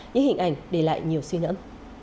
những hình ảnh để lại nhiều suy nhẫn